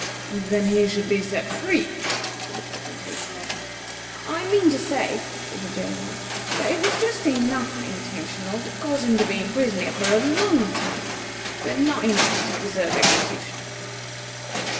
"Then he should be set free," said the Potentate. "I mean to say," said the jailer, "that it was just enough intentional to cause him to be imprisoned here for a long time, but not enough to deserve execution."